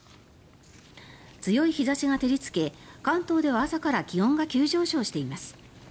強い日差しが照りつけ関東では朝から気温が急上昇しています。